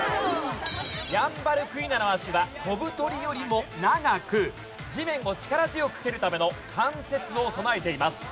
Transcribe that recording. ヤンバルクイナの脚は飛ぶ鳥よりも長く地面を力強く蹴るための関節を備えています。